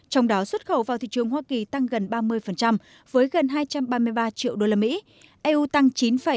trong đó xuất khẩu vào thị trường hoa kỳ tăng gần ba mươi với gần hai trăm ba mươi ba triệu usd eu tăng chín bảy